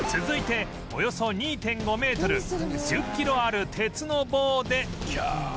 続いておよそ ２．５ メートル１０キロある鉄の棒で